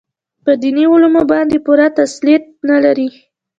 په دیني علومو باندې پوره تسلط نه لري.